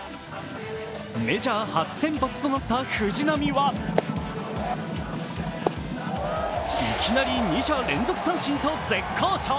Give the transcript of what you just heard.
メジャー初先発となった藤浪はいきなり２者連続三振と絶好調。